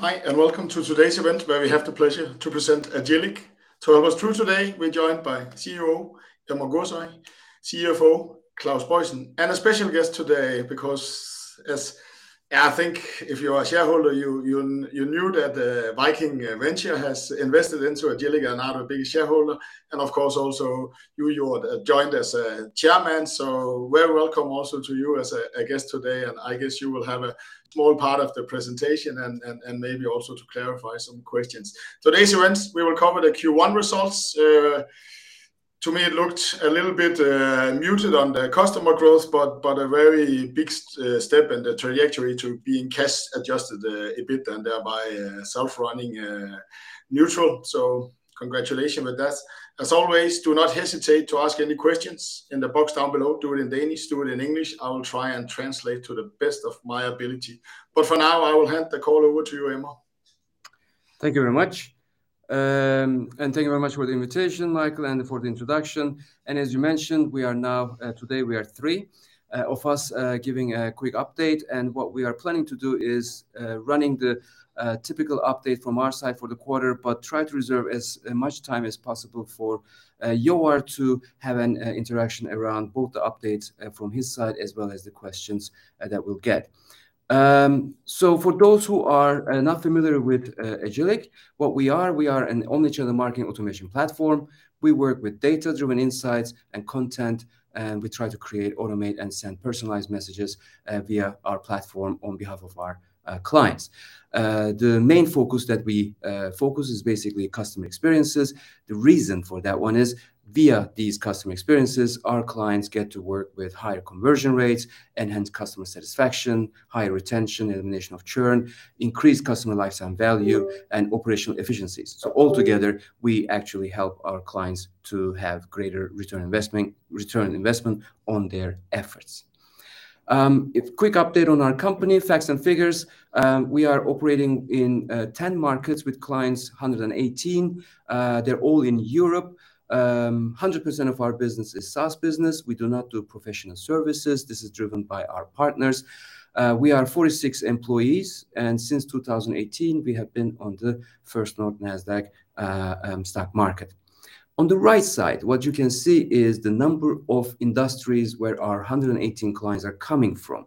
Hi, welcome to today's event where we have the pleasure to present Agillic. To help us through today, we're joined by CEO, Emre Gürsoy, CFO, Claus Boysen, and a special guest today because I think if you are a shareholder, you knew that Viking Venture has invested into Agillic and are a big shareholder. Of course also Joar joined as a Chairman. Very welcome also to you as a guest today, and I guess you will have a small part of the presentation and maybe also to clarify some questions. Today's event, we will cover the Q1 results. To me it looked a little bit muted on the customer growth, but a very big step in the trajectory to being cash-adjusted EBITDA, and thereby self-running neutral. Congratulations with that. As always, do not hesitate to ask any questions in the box down below. Do it in Danish, do it in English. I will try and translate to the best of my ability. For now, I will hand the call over to you, Emre. Thank you very much. Thank you very much for the invitation, Michael, and for the introduction. As you mentioned, we are now today we are three of us giving a quick update. What we are planning to do is running the typical update from our side for the quarter, but try to reserve as much time as possible for Joar to have an interaction around both the updates from his side as well as the questions that we'll get. For those who are not familiar with Agillic, what we are, we are an omnichannel marketing automation platform. We work with data-driven insights and content, and we try to create, automate, and send personalized messages via our platform on behalf of our clients. The main focus that we focus is basically customer experiences. The reason for that one is via these customer experiences, our clients get to work with higher conversion rates, enhanced customer satisfaction, higher retention, elimination of churn, increased customer lifetime value, and operational efficiencies. All together, we actually help our clients to have greater return investment on their efforts. A quick update on our company, facts and figures. We are operating in 10 markets with clients, 118. They're all in Europe. 100% of our business is SaaS business. We do not do professional services. This is driven by our partners. We are 46 employees, and since 2018, we have been on the First North Nasdaq stock market. On the right side, what you can see is the number of industries where our 118 clients are coming from.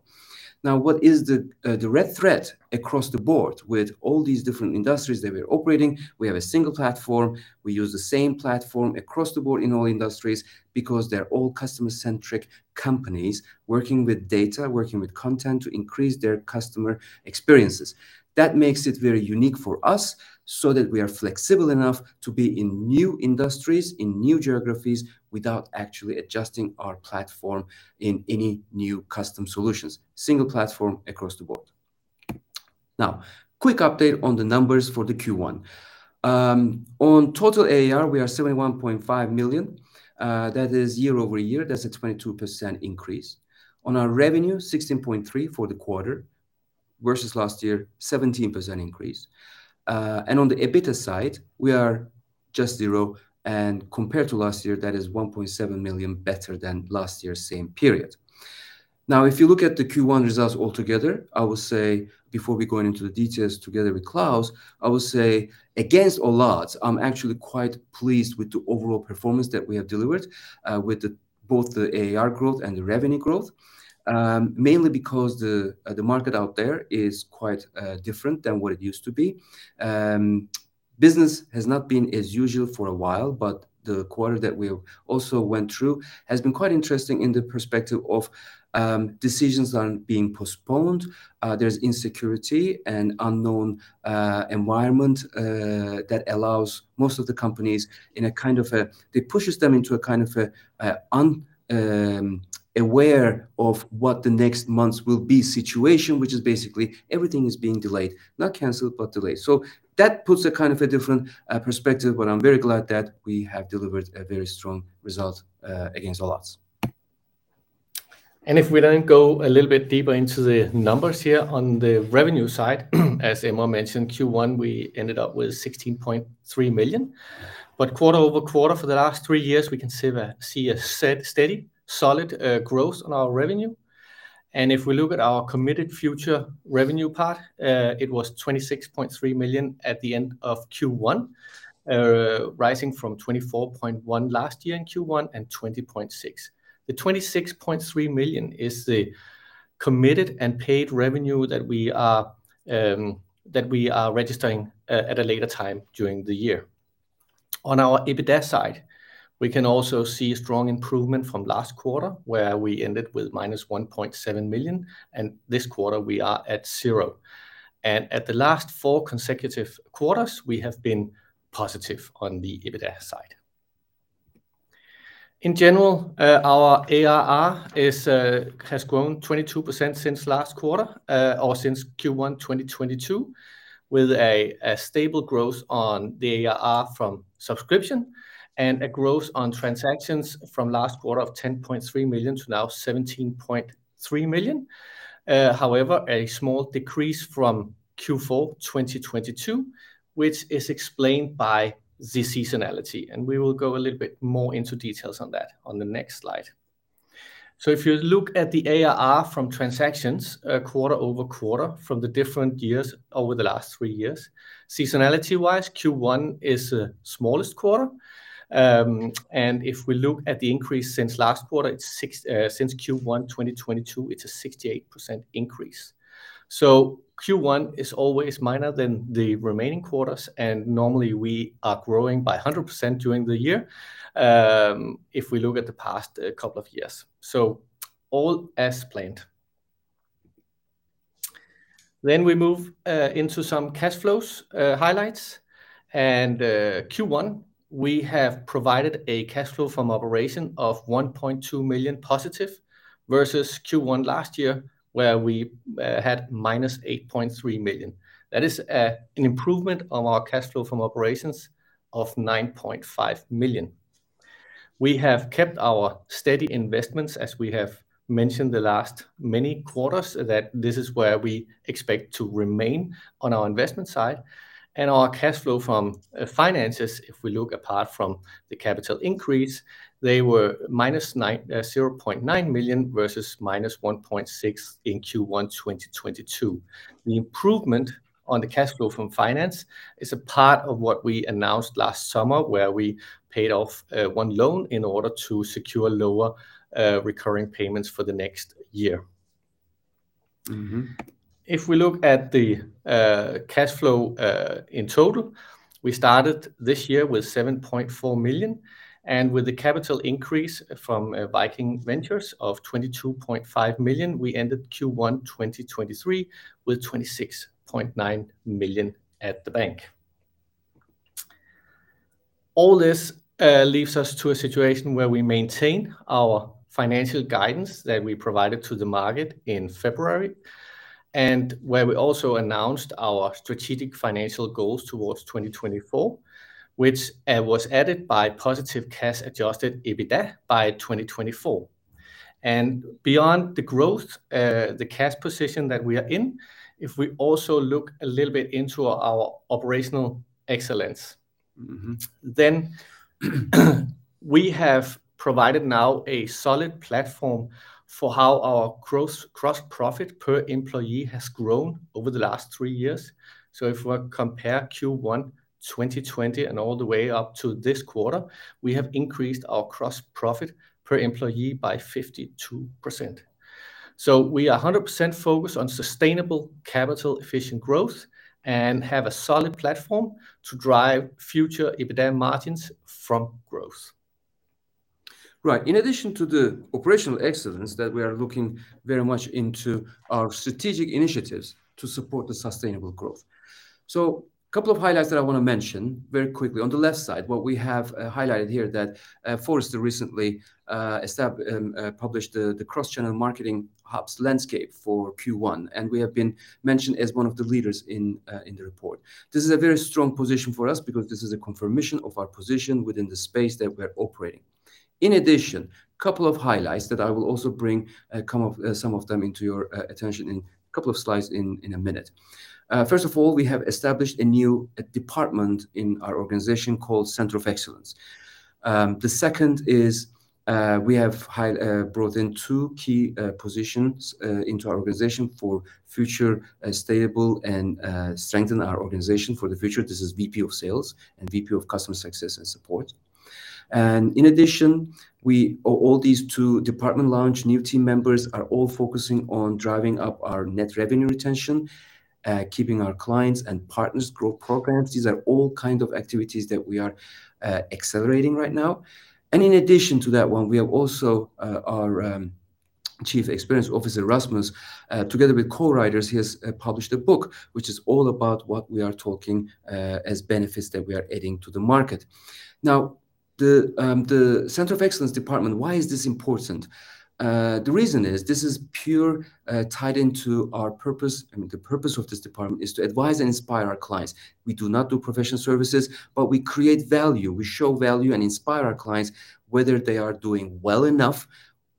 What is the red thread across the board with all these different industries that we are operating? We have a single platform. We use the same platform across the board in all industries because they're all customer-centric companies working with data, working with content to increase their customer experiences. That makes it very unique for us so that we are flexible enough to be in new industries, in new geographies without actually adjusting our platform in any new custom solutions. Single platform across the board. Quick update on the numbers for the Q1. On total ARR, we are 71.5 million. That is year-over-year. That's a 22% increase. On our revenue, 16.3 for the quarter versus last year, 17% increase. On the EBITDA side, we are just 0, and compared to last year, that is 1.7 million better than last year's same period. If you look at the Q1 results altogether, I will say before we go into the details together with Claus, I will say against all odds, I'm actually quite pleased with the overall performance that we have delivered, with both the ARR growth and the revenue growth, mainly because the market out there is quite different than what it used to be. Business has not been as usual for a while, the quarter that we also went through has been quite interesting in the perspective of decisions are being postponed. There's insecurity and unknown environment that allows most of the companies. It pushes them into a kind of aware of what the next months will be situation, which is basically everything is being delayed, not canceled, but delayed. That puts a kind of a different perspective, but I'm very glad that we have delivered a very strong result against all odds. If we go a little bit deeper into the numbers here on the revenue side, as Emre mentioned, Q1, we ended up with 16.3 million. Quarter-over-quarter for the last three years, we can see a steady, solid growth on our revenue. If we look at our committed future revenue part, it was 26.3 million at the end of Q1, rising from 24.1 million last year in Q1 and 20.6 million. The 26.3 million is the committed and paid revenue that we are registering at a later time during the year. On our EBITDA side, we can also see strong improvement from last quarter where we ended with -1.7 million, and this quarter we are at 0. At the last 4 consecutive quarters, we have been positive on the EBITDA side. In general, our ARR has grown 22% since last quarter, or since Q1 2022, with a stable growth on the ARR from subscription and a growth on transactions from last quarter of 10.3 million to now 17.3 million. However, a small decrease from Q4 2022, which is explained by the seasonality, and we will go a little bit more into details on that on the next slide. If you look at the ARR from transactions, quarter-over-quarter from the different years over the last 3 years, seasonality-wise, Q1 is the smallest quarter. If we look at the increase since last quarter, since Q1 2022, it's a 68% increase. Q1 is always minor than the remaining quarters. Normally we are growing by 100% during the year, if we look at the past couple of years. All as planned. We move into some cash flows highlights. Q1, we have provided a cash flow from operation of 1.2 million positive versus Q1 last year, where we had minus 8.3 million. That is an improvement on our cash flow from operations of 9.5 million. We have kept our steady investments, as we have mentioned the last many quarters, that this is where we expect to remain on our investment side. Our cash flow from finances, if we look apart from the capital increase, they were minus 0.9 million versus minus 1.6 million in Q1 2022. The improvement on the cash flow from finance is a part of what we announced last summer, where we paid off one loan in order to secure lower recurring payments for the next year. If we look at the cash flow in total, we started this year with 7.4 million, and with the capital increase from Viking Venture of 22.5 million, we ended Q1 2023 with 26.9 million at the bank. All this leaves us to a situation where we maintain our financial guidance that we provided to the market in February, and where we also announced our strategic financial goals towards 2024, which was added by positive cash-adjusted EBITDA by 2024. Beyond the growth, the cash position that we are in, if we also look a little bit into our operational excellence- We have provided now a solid platform for how our gross profit per employee has grown over the last three years. If we compare Q1 2020 and all the way up to this quarter, we have increased our gross profit per employee by 52%. We are 100% focused on sustainable capital efficient growth and have a solid platform to drive future EBITDA margins from growth. Right. In addition to the operational excellence that we are looking very much into our strategic initiatives to support the sustainable growth. A couple of highlights that I want to mention very quickly. On the left side, what we have highlighted here that Forrester recently published the Cross-Channel Marketing Hubs Landscape for Q1, and we have been mentioned as one of the leaders in the report. This is a very strong position for us because this is a confirmation of our position within the space that we're operating. In addition, couple of highlights that I will also bring some of them into your attention in a couple of slides in a minute. First of all, we have established a new department in our organization called Center of Excellence. The second is, we have brought in two key positions into our organization for future stable and strengthen our organization for the future. This is VP of Sales and VP of Customer Success and Support. In addition, all these two department launch new team members are all focusing on driving up our net revenue retention, keeping our clients and Partner Growth Programs. These are all kind of activities that we are accelerating right now. In addition to that one, we have also our Chief Experience Officer, Rasmus, together with co-writers, he has published a book, which is all about what we are talking as benefits that we are adding to the market. The Center of Excellence department, why is this important? The reason is this is pure, tied into our purpose. I mean, the purpose of this department is to advise and inspire our clients. We do not do professional services, but we create value. We show value and inspire our clients whether they are doing well enough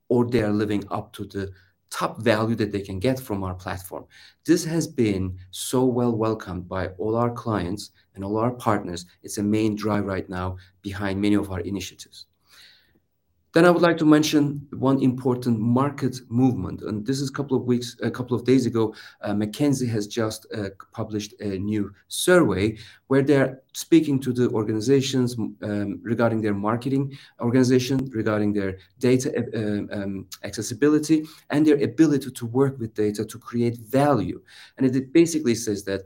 or they are living up to the top value that they can get from our platform. This has been so well welcomed by all our clients and all our partners. It's a main drive right now behind many of our initiatives. I would like to mention one important market movement, and this is a couple of days ago, McKinsey has just published a new survey where they're speaking to the organizations regarding their marketing organization, regarding their data accessibility, and their ability to work with data to create value. It basically says that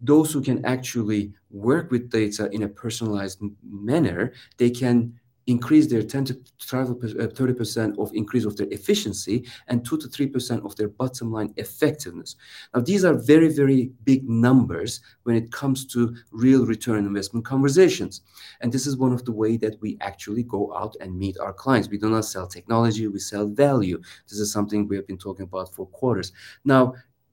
those who can actually work with data in a personalized manner, they can increase their 10% to 30% of increase of their efficiency and 2% to 3% of their bottom line effectiveness. These are very, very big numbers when it comes to real return investment conversations, this is one of the way that we actually go out and meet our clients. We do not sell technology, we sell value. This is something we have been talking about for quarters.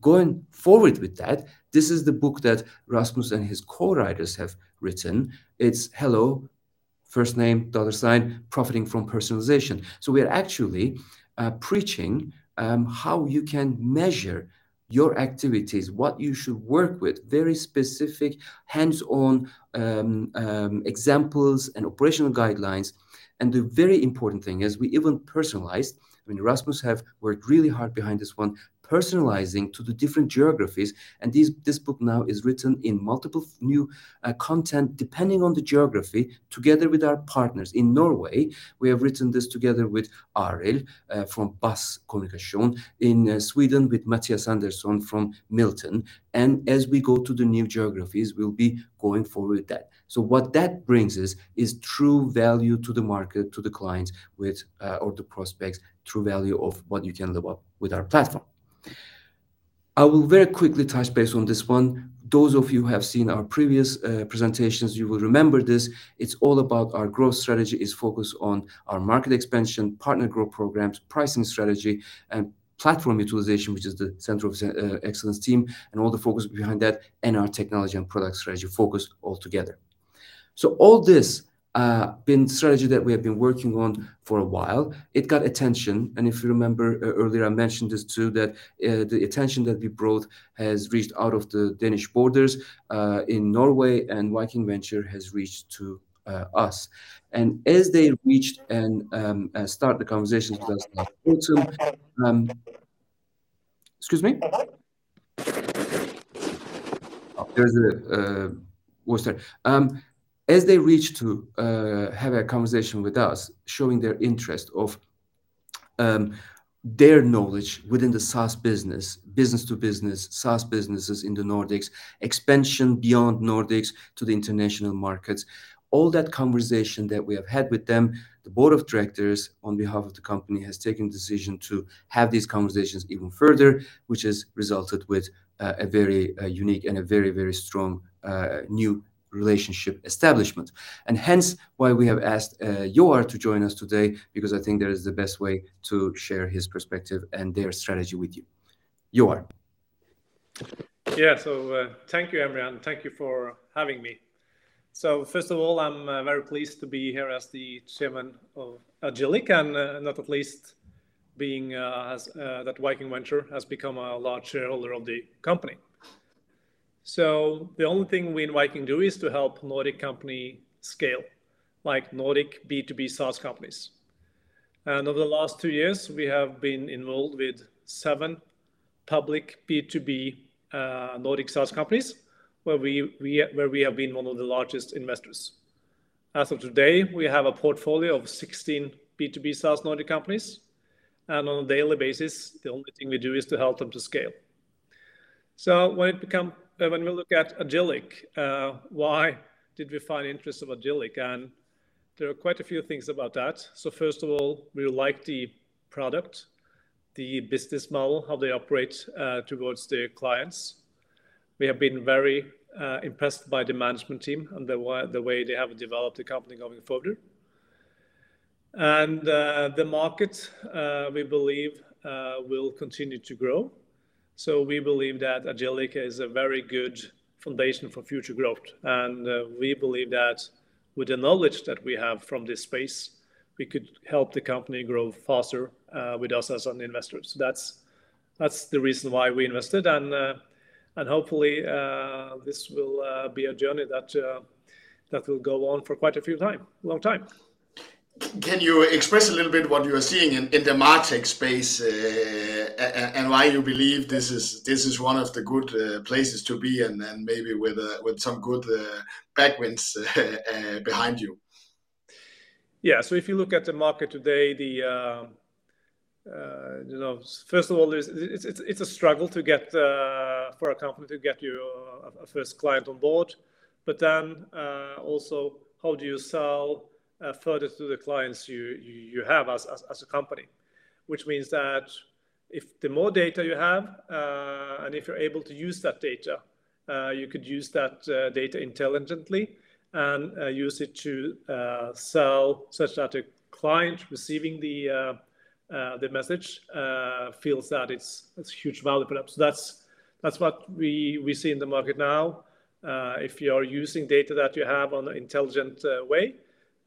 Going forward with that, this is the book that Rasmus and his co-writers have written. It's Hello $FirstName: Profiting from Personalization. We are actually preaching how you can measure your activities, what you should work with, very specific hands-on examples and operational guidelines. The very important thing is we even personalized. I mean, Rasmus have worked really hard behind this one, personalizing to the different geographies. This book now is written in multiple new content depending on the geography together with our partners. In Norway, we have written this together with Arild from BAS Kommunikasjon. In Sweden with Mattias Andersson from Miltton. As we go to the new geographies, we'll be going forward with that. What that brings us is true value to the market, to the clients with, or the prospects, true value of what you can level up with our platform. I will very quickly touch base on this one. Those of you who have seen our previous presentations, you will remember this. It's all about our growth strategy is focused on our market expansion, partner growth programs, pricing strategy, and platform utilization, which is the Center of Excellence team, and all the focus behind that, and our technology and product strategy focus all together. All this been strategy that we have been working on for a while, it got attention. If you remember, earlier, I mentioned this too, that the attention that we brought has reached out of the Danish borders in Norway, Viking Venture has reached to us. As they reached and start the conversation with us, also... Excuse me? There's a, what's that? As they reach to have a conversation with us, showing their interest of their knowledge within the SaaS business to business, SaaS businesses in the Nordics, expansion beyond Nordics to the international markets, all that conversation that we have had with them, the board of directors on behalf of the company has taken decision to have these conversations even further, which has resulted with a very unique and a very, very strong new relationship establishment. Hence why we have asked Joar to join us today because I think that is the best way to share his perspective and their strategy with you. Joar? Yeah. Thank you, Emre, and thank you for having me. First of all, I'm very pleased to be here as the chairman of Agillic, and not at least being as that Viking Venture has become a large shareholder of the company. The only thing we in Viking do is to help Nordic company scale, like Nordic B2B SaaS companies. Over the last 2 years, we have been involved with 7 public B2B Nordic SaaS companies, where we have been one of the largest investors. As of today, we have a portfolio of 16 B2B SaaS Nordic companies, and on a daily basis, the only thing we do is to help them to scale. When we look at Agillic, why did we find interest of Agillic? There are quite a few things about that. First of all, we like the product, the business model, how they operate towards their clients. We have been very impressed by the management team and the way they have developed the company going forward. The market, we believe, will continue to grow. We believe that Agillic is a very good foundation for future growth. We believe that with the knowledge that we have from this space, we could help the company grow faster with us as an investor. That's the reason why we invested. Hopefully, this will be a journey that will go on for quite a long time. Can you express a little bit what you are seeing in the MarTech space, and why you believe this is one of the good places to be and then maybe with some good backwinds behind you? If you look at the market today, the first of all, it's a struggle to get for a company to get your first client on board. Also, how do you sell further to the clients you have as a company? Which means that if the more data you have, and if you're able to use that data, you could use that data intelligently and use it to sell such that a client receiving the message feels that it's huge value perhaps. That's what we see in the market now. If you are using data that you have on an intelligent way,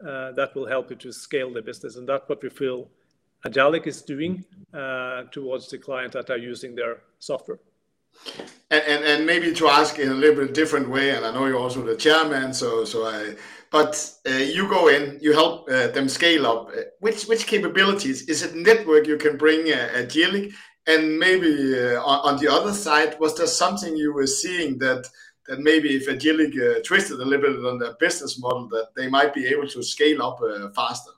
that will help you to scale the business. That what we feel Agillic is doing, towards the client that are using their software. Maybe to ask in a little bit different way, and I know you're also the chairman, so I. You go in, you help them scale up. Which capabilities? Is it network you can bring Agillic? Maybe on the other side, was there something you were seeing that maybe if Agillic twisted a little bit on their business model, that they might be able to scale up faster?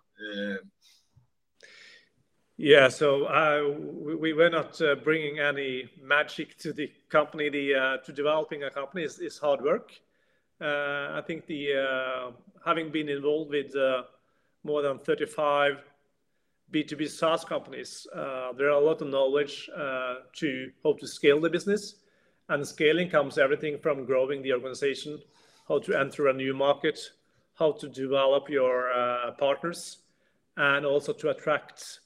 Yeah. We were not bringing any magic to the company. The to developing a company is hard work. I think the having been involved with more than 35 B2B SaaS companies, there are a lot of knowledge to help to scale the business. Scaling comes everything from growing the organization, how to enter a new market, how to develop your partners. Also to attract,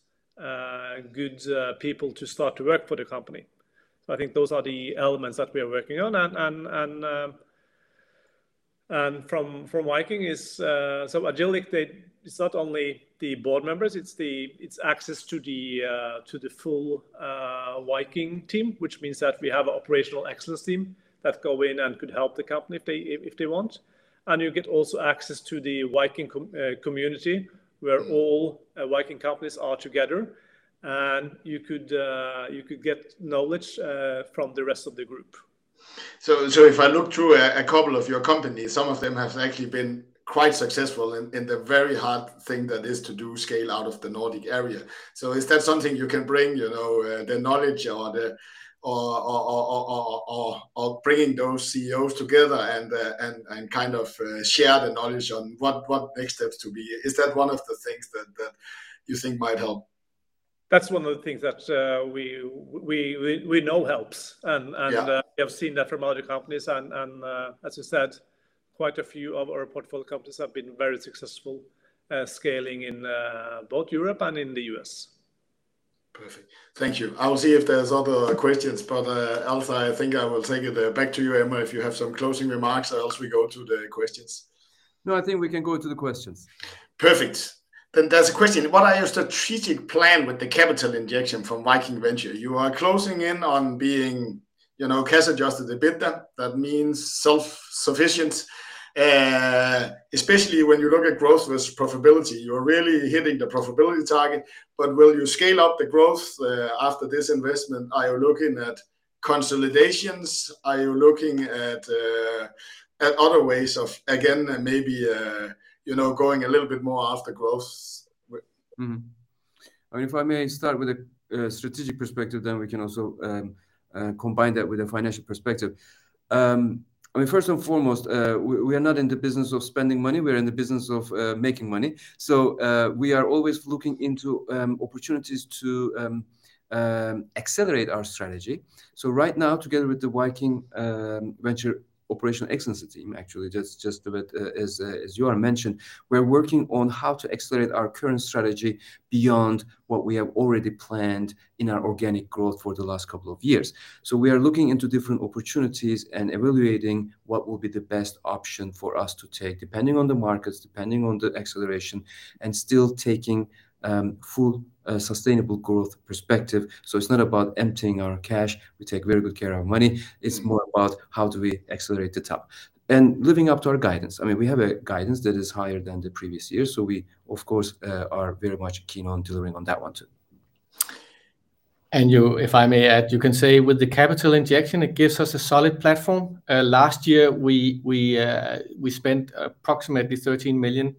good, people to start to work for the company. I think those are the elements that we are working on. From Viking is, so Agillic. It's not only the board members, it's access to the full Viking team, which means that we have a operational excellence team that go in and could help the company if they, if they want. You get also access to the Viking community where all Viking companies are together. You could get knowledge from the rest of the group. If I look through a couple of your companies, some of them have actually been quite successful in the very hard thing that is to do scale out of the Nordic area. Is that something you can bring the knowledge or bringing those CEOs together and kind of share the knowledge on what next steps to be? Is that one of the things that you think might help? That's one of the things that we know helps. Yeah. We have seen that from other companies and, as you said, quite a few of our portfolio companies have been very successful, scaling in, both Europe and in the U.S. Perfect. Thank you. I will see if there's other questions, but, else I think I will take it the back to you, Emre, if you have some closing remarks, or else we go to the questions. No, I think we can go to the questions. Perfect. There's a question. What are your strategic plan with the capital injection from Viking Venture? You are closing in on being cash-adjusted EBITDA. That means self-sufficient, especially when you look at growth versus profitability. You're really hitting the profitability target. Will you scale up the growth after this investment? Are you looking at consolidations? Are you looking at other ways of, again, maybe going a little bit more after growth with- I mean, if I may start with a strategic perspective, we can also combine that with a financial perspective. I mean, first and foremost, we are not in the business of spending money. We're in the business of making money. We are always looking into opportunities to accelerate our strategy. Right now, together with the Viking Venture Operational Excellence team, actually, just a bit as Joar mentioned, we're working on how to accelerate our current strategy beyond what we have already planned in our organic growth for the last couple of years. We are looking into different opportunities and evaluating what will be the best option for us to take, depending on the markets, depending on the acceleration, and still taking full sustainable growth perspective. It's not about emptying our cash. We take very good care of our money. It's more about how do we accelerate the top. Living up to our guidance, I mean, we have a guidance that is higher than the previous year, so we of course, are very much keen on delivering on that one too. If I may add, you can say with the capital injection, it gives us a solid platform. Last year we spent approximately 13 million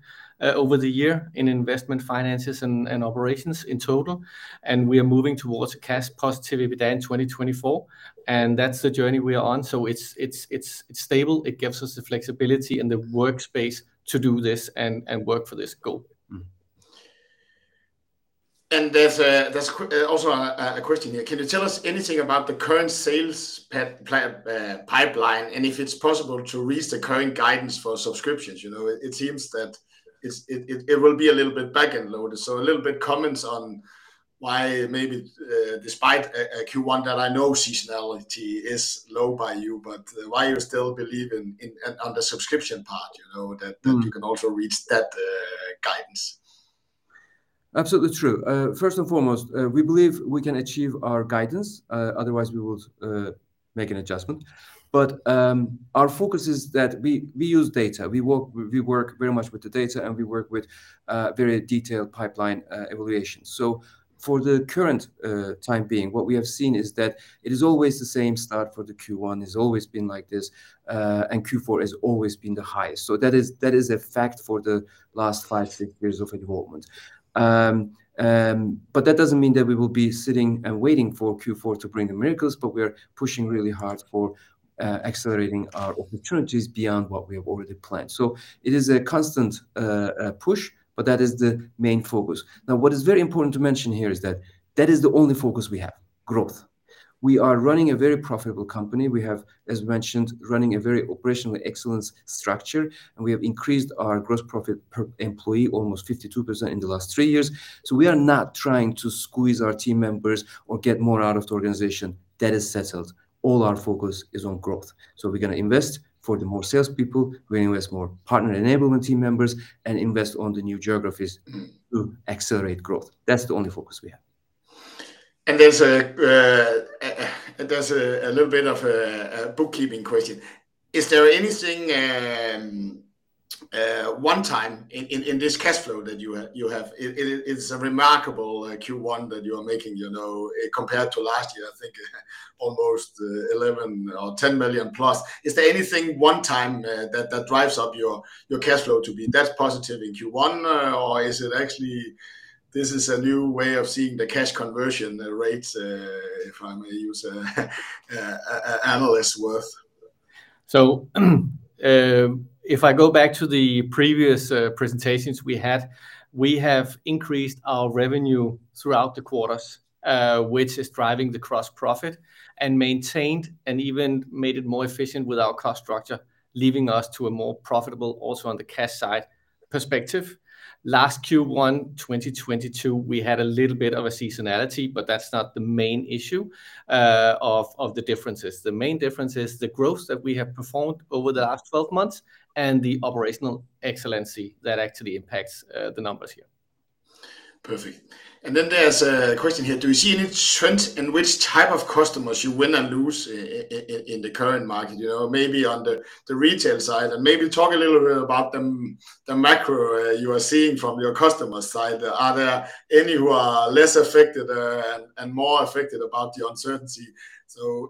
over the year in investment finances and operations in total. We are moving towards a cash positivity by the end of 2024. That's the journey we are on. It's stable. It gives us the flexibility and the workspace to do this and work for this goalThere's also a question here. Can you tell us anything about the current sales plan, pipeline, and if it's possible to reach the current guidance for subscriptions? You know, it seems that it will be a little bit back-end loaded. A little bit comments on why maybe, despite a Q1 that I know seasonality is low by you, but why you still believe in on the subscription part that. you can also reach that guidance. Absolutely true. First and foremost, we believe we can achieve our guidance. Otherwise we would make an adjustment. Our focus is that we use data. We work very much with the data, and we work with very detailed pipeline evaluation. For the current time being, what we have seen is that it is always the same start for the Q1. It's always been like this. Q4 has always been the highest. That is a fact for the last 5, 6 years of involvement. That doesn't mean that we will be sitting and waiting for Q4 to bring miracles, but we are pushing really hard for accelerating our opportunities beyond what we have already planned. It is a constant push, but that is the main focus. Now, what is very important to mention here is that that is the only focus we have, growth. We are running a very profitable company. We have, as mentioned, running a very operational excellence structure, and we have increased our gross profit per employee almost 52% in the last three years. We are not trying to squeeze our team members or get more out of the organization. That is settled. All our focus is on growth. We are going to invest for the more salespeople. We are going to invest more partner enablement team members and invest on the new geographies. to accelerate growth. That's the only focus we have. There's a little bit of a bookkeeping question. Is there anything one time in this cash flow that you have? It's a remarkable, like, Q1 that you are making compared to last year, I think almost 11 million or 10 million plus. Is there anything one time that drives up your cash flow to be that positive in Q1? Or is it actually this is a new way of seeing the cash conversion rates, if I may use a analyst worth? If I go back to the previous presentations we had, we have increased our revenue throughout the quarters, which is driving the gross profit and maintained and even made it more efficient with our cost structure, leaving us to a more profitable also on the cash side. Perspective. Last Q1 2022, we had a little bit of a seasonality, that's not the main issue of the differences. The main difference is the growth that we have performed over the last 12 months and the operational excellency that actually impacts the numbers here. Perfect. There's a question here. Do you see any trends in which type of customers you win and lose in the current market? Maybe on the retail side, and maybe talk a little bit about the macro, you are seeing from your customer side. Are there any who are less affected, and more affected about the uncertainty?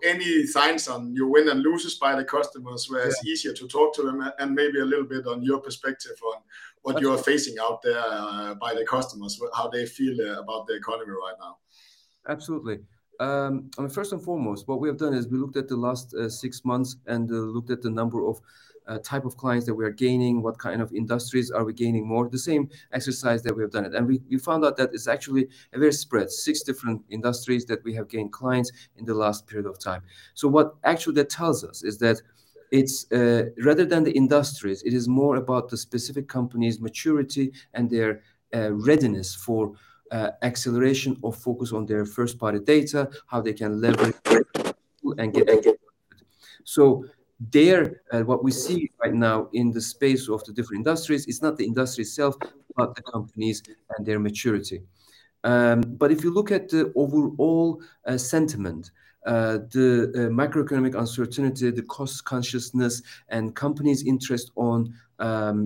Any signs on your win and loses by the customers? Yeah It's easier to talk to them. Maybe a little bit on your perspective on what you are facing out there, by the customers, how they feel, about the economy right now. Absolutely. I mean first and foremost, what we have done is we looked at the last 6 months and looked at the number of type of clients that we are gaining, what kind of industries are we gaining more? The same exercise that we have done it, and we found out that it's actually a very spread 6 different industries that we have gained clients in the last period of time. What actually that tells us is that it's rather than the industries, it is more about the specific company's maturity and their readiness for acceleration or focus on their first-party data, how they can leverage and get. There, what we see right now in the space of the different industries is not the industry itself, but the companies and their maturity. If you look at the overall sentiment, the macroeconomic uncertainty, the cost consciousness, and companies' interest on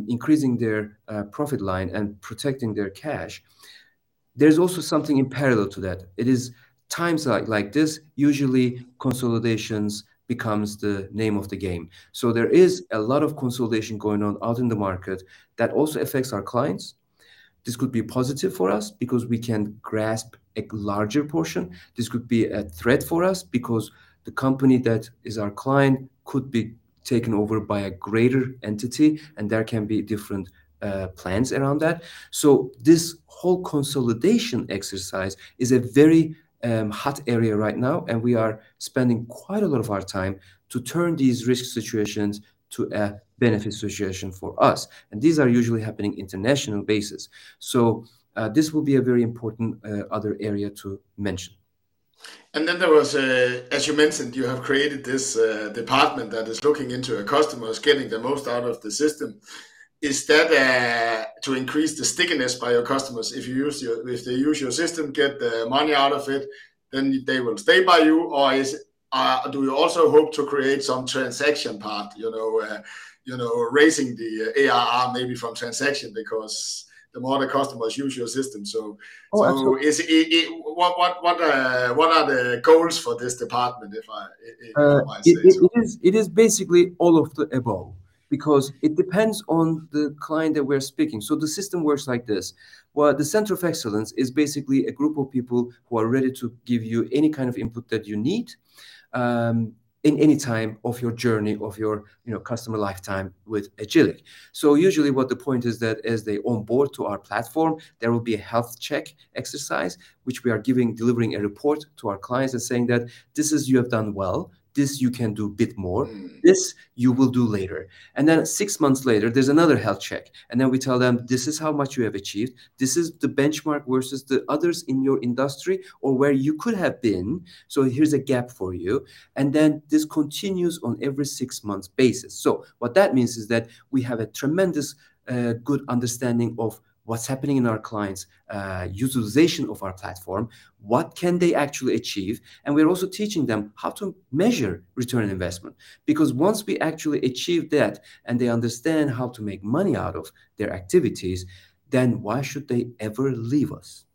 increasing their profit line and protecting their cash, there's also something in parallel to that. It is times like this, usually consolidations becomes the name of the game. There is a lot of consolidation going on out in the market that also affects our clients. This could be positive for us because we can grasp a larger portion. This could be a threat for us because the company that is our client could be taken over by a greater entity, and there can be different plans around that. This whole consolidation exercise is a very hot area right now, and we are spending quite a lot of our time to turn these risk situations to a benefit situation for us, and these are usually happening international basis. This will be a very important other area to mention. There was as you mentioned, you have created this department that is looking into your customers getting the most out of the system. Is that to increase the stickiness by your customers? If they use your system, get the money out of it, then they will stay by you, or is do you also hope to create some transaction part? You know raising the ARR maybe from transaction because the more the customers use your system. Oh, absolutely. What are the goals for this department if I say so? It is basically all of the above because it depends on the client that we're speaking. The system works like this. Well, the Center of Excellence is basically a group of people who are ready to give you any kind of input that you need in any time of your journey, of your customer lifetime with Agillic. Usually what the point is that as they onboard to our platform, there will be a health check exercise, which we are delivering a report to our clients and saying that, "This is you have done well. This you can do a bit more. This you will do later." Six months later, there's another health check, we tell them, "This is how much you have achieved. This is the benchmark versus the others in your industry or where you could have been, so here's a gap for you." This continues on every 6 months basis. What that means is that we have a tremendous good understanding of what's happening in our clients' utilization of our platform, what can they actually achieve, and we're also teaching them how to measure return on investment. Once we actually achieve that and they understand how to make money out of their activities, then why should they ever leave us?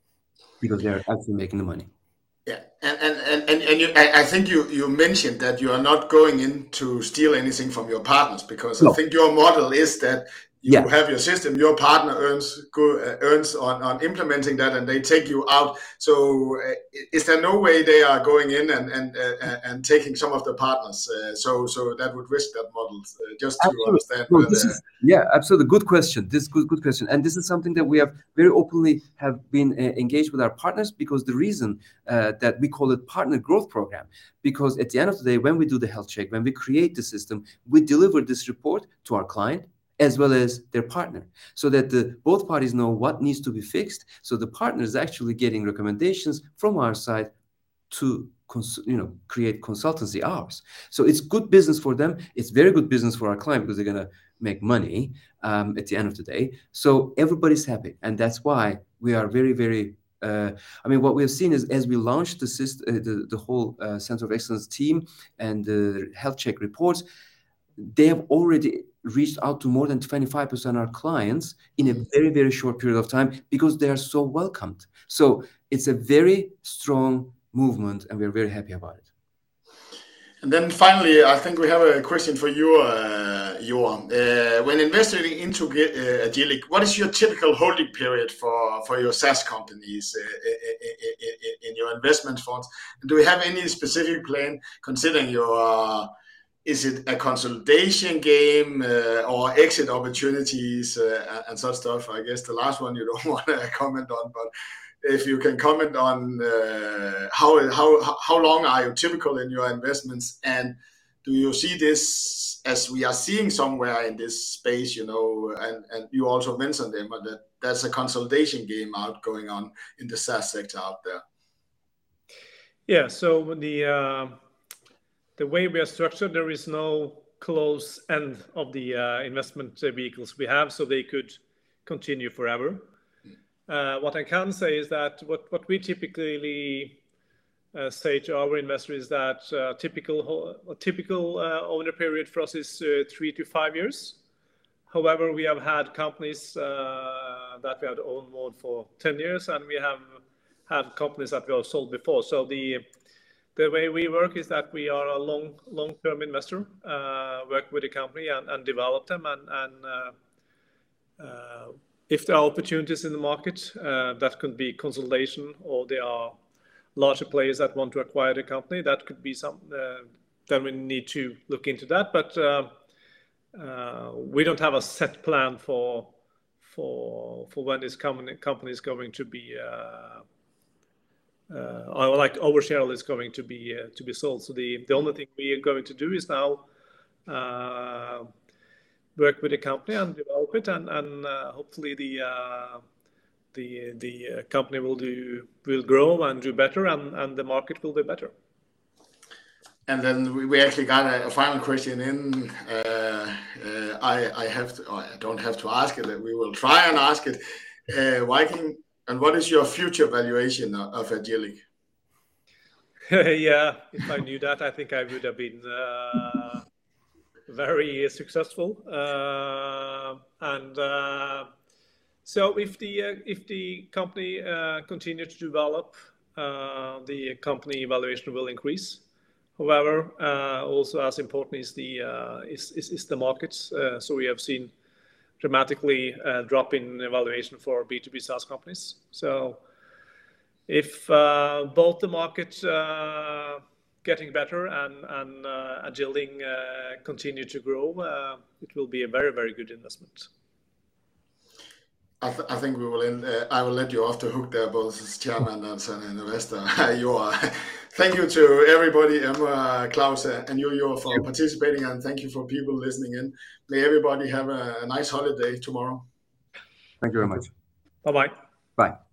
Yeah. They're actually making the money. Yeah. You, I think you mentioned that you are not going in to steal anything from your partners because- No I think your model is that. Yeah You have your system, your partner earns on implementing that, and they take you out. Is there no way they are going in and taking some of the partners, so that would risk that model. Absolutely Understood. This is. Yeah, absolutely. Good question. This is good question. This is something that we have very openly have been engaged with our partners because the reason that we call it partner growth program, because at the end of the day, when we do the health check, when we create the system, we deliver this report to our client as well as their partner so that the both parties know what needs to be fixed. The partner's actually getting recommendations from our side to you know, create consultancy hours. It's good business for them. It's very good business for our client because they're gonna make money at the end of the day. Everybody's happy, and that's why we are very, very. I mean, what we have seen is as we launched the whole Center of Excellence team and the health check reports, they have already reached out to more than 25% our clients in a very, very short period of time because they are so welcomed. It's a very strong movement, and we're very happy about it. Finally, I think we have a question for you, Joar. When investing into Agillic, what is your typical holding period for your SaaS companies in your investment funds? Do we have any specific plan considering your, is it a consolidation game or exit opportunities and such stuff? I guess the last one you don't want to comment on, if you can comment on how long are you typical in your investments, and do you see this as we are seeing somewhere in this space you also mentioned it, that there's a consolidation game out going on in the SaaS sector out there. Yeah. The way we are structured, there is no close end of the investment vehicles we have, so they could continue forever. What I can say is that what we typically say to our investors is that a typical owner period for us is three to five years. However, we have had companies that we had to own more for 10 years, and we have had companies that we have sold before. The way we work is that we are a long, long-term investor, work with the company and develop them and, if there are opportunities in the market, that could be consolidation or there are larger players that want to acquire the company, that could be some, then we need to look into that. we don't have a set plan for when this company is going to be, or like Overshare is going to be sold. The only thing we are going to do is now work with the company and develop it and, hopefully the company will grow and do better, and the market will do better. We actually got a final question in. Well, I don't have to ask it, but we will try and ask it. What is your future valuation of Agillic? Yeah. If I knew that, I think I would have been very successful. If the company continue to develop, the company valuation will increase. However, also as important is the markets. We have seen dramatically drop in valuation for B2B SaaS companies. If both the markets getting better and Agillic continue to grow, it will be a very, very good investment. I think we will end. I will let you off the hook there, both as chairman and as an investor. You are. Thank you to everybody, Emre, Claus, and Joar for participating, and thank you for people listening in. May everybody have a nice holiday tomorrow. Thank you very much. Bye-bye. Bye.